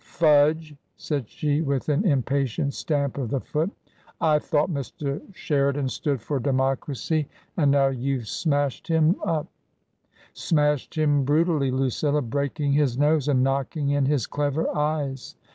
" Fudge !" said she, with an impatient stamp of the foot. " I thought Mr. Sheridan stood for Democracy ! TRANSITION. 257 And now youVe smashed him up — ^smashed him bru tally, Lucilla, breaking his nose and knocking in his clever eyes.